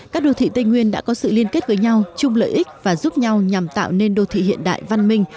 các đô thị tây nguyên đã có sự liên kết với nhau chung lợi ích và giúp nhau nhằm tạo nên đô thị hiện đại văn minh